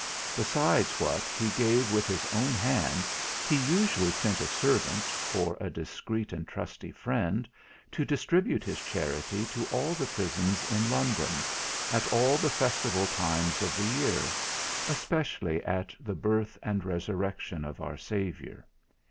Besides what he gave with his own hand, he usually sent a servant, or a discreet and trusty friend, to distribute his charity to all the prisons in London, at all the festival times of the year, especially at the Birth and Resurrection of our Saviour.